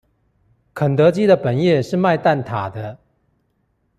肯德基的本業是賣蛋塔的